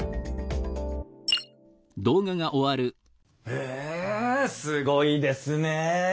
へえすごいですねえ。